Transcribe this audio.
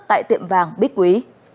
tại tiệm vàng bích quý